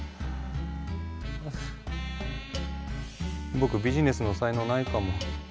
僕ビジネスの才能ないかも。